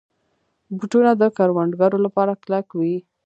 بوټونه د کروندګرو لپاره کلک وي.